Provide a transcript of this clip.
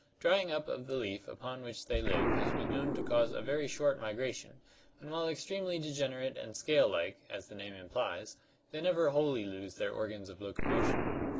Drying up of the leaf upon which they live has been known to cause a very short migration, and ' while extremely degenerate and scale like, as the name implies, they never wholly lose their organs of locomotion.